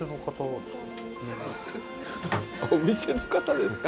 「お店の方ですか？」